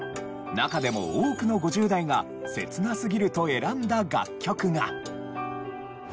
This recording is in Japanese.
中でも多くの５０代が「切なすぎる」と選んだ楽曲が。